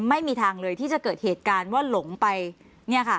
ไม่มีทางเลยที่จะเกิดเหตุการณ์ว่าหลงไปเนี่ยค่ะ